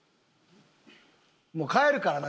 もう帰るからな。